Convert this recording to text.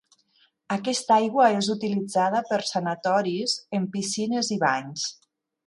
Aquesta aigua és utilitzada per sanatoris en piscines i banys.